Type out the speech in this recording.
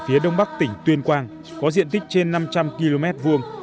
phía đông bắc tỉnh tuyên quang có diện tích trên năm trăm linh km vuông